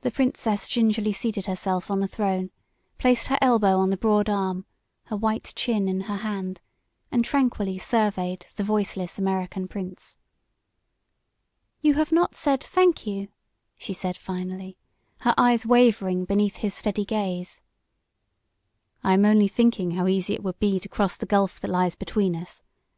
The princess gingerly seated herself on the throne, placed her elbow on the broad arm, her white chin in her hand, and tranquilly surveyed the voiceless American prince. "You have not said, 'Thank you,'" she said, finally, her eyes wavering beneath his steady gaze. "I am only thinking how easy it would be to cross the gulf that lies between us.